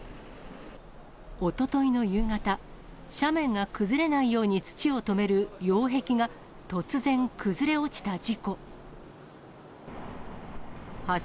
おとといの夕方、斜面が崩れないように土をとめる擁壁が突然、崩れ落ちた事故。